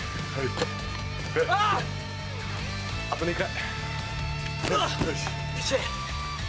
あと２回。